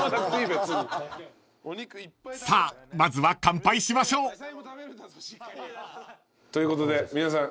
［さあまずは乾杯しましょう］ということで皆さん。